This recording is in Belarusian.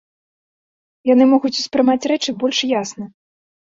Яны могуць успрымаць рэчы больш ясна.